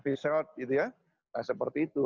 resort gitu ya nah seperti itu